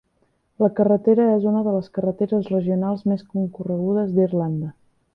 La carretera és una de les carreteres regionals més concorregudes d"Irlanda.